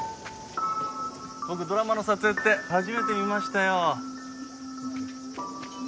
僕ドラマの撮影って初めて見ましたよ。